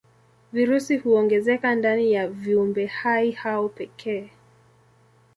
Virusi huongezeka ndani ya viumbehai hao pekee.